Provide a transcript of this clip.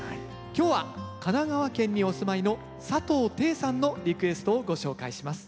今日は神奈川県にお住まいの佐藤貞さんのリクエストをご紹介します。